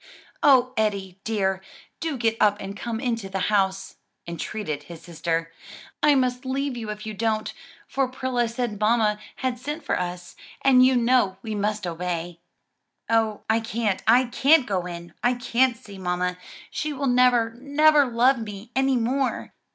"O Eddie, dear, do get up and come into the house!" entreated his sister. "I must leave you if you don't, for Prilla said mamma had sent for us; and you know we must obey." "Oh I can't, I can't go in! I can't see mamma! she will never, never love me any more!"